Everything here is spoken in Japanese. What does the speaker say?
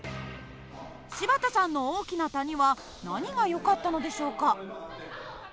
柴田さんの大きな谷は何がよかったのでしょうか。